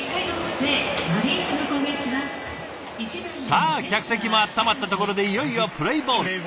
さあ客席も温まったところでいよいよプレーボール。